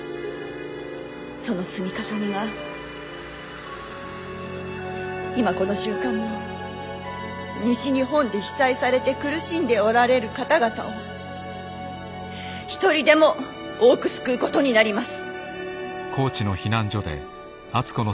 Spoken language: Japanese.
その積み重ねが今この瞬間も西日本で被災されて苦しんでおられる方々を一人でも多く救うことになります。